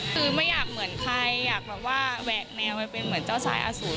คือไม่อยากเหมือนใครอยากแบบว่าแหวกแนวไปเป็นเหมือนเจ้าสายอสูร